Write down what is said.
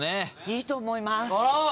いいと思います。